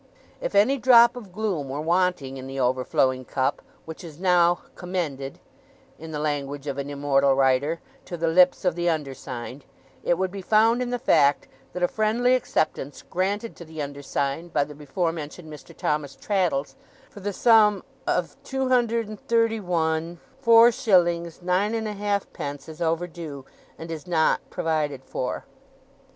'If any drop of gloom were wanting in the overflowing cup, which is now "commended" (in the language of an immortal Writer) to the lips of the undersigned, it would be found in the fact, that a friendly acceptance granted to the undersigned, by the before mentioned Mr. Thomas Traddles, for the sum Of 23l 4s 9 1/2d is over due, and is NOT provided for.